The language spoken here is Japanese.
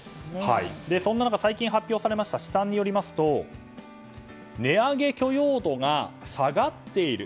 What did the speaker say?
そんな中、最近発表された試算によりますと値上げ許容度が下がっている。